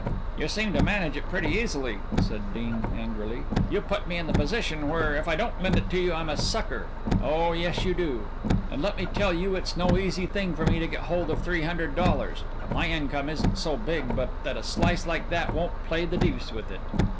"You seem to manage it pretty easily," said Dean angrily. "You put me in the position where, if I don't lend it to you, I'm a sucker oh, yes, you do. And let me tell you it's no easy thing for me to get hold of three hundred dollars. My income isn't so big but that a slice like that won't play the deuce with it."